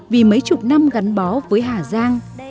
vì mấy chục năm gắn bó với hà giang